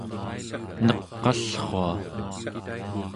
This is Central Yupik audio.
neq'allrua